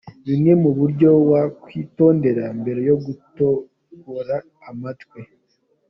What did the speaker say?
Bimwe mu byo wakwitondera mbere yo gutobora amatwi.